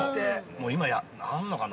◆もう今、あんのかな。